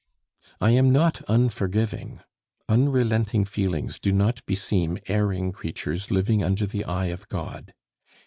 "I am not unforgiving. Unrelenting feelings do not beseem erring creatures living under the eye of God.